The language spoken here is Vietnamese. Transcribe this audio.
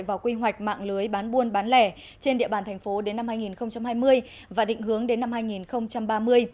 vào quy hoạch mạng lưới bán buôn bán lẻ trên địa bàn thành phố đến năm hai nghìn hai mươi và định hướng đến năm hai nghìn ba mươi